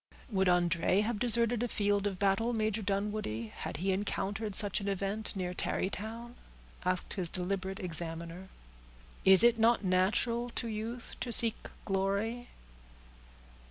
"Would André have deserted a field of battle, Major Dunwoodie, had he encountered such an event, near Tarrytown?" asked his deliberate examiner. "Is it not natural to youth to seek glory?"